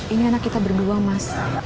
ini anak kita berdua mas